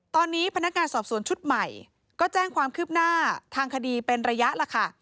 ตอนนี้พนักงานสอบสวนชุดใหม่ก็แจ้งความคืบหน้าทางคดีเป็นระยะล่ะค่ะ